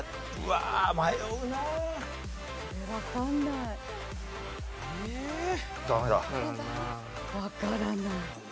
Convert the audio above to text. わからない。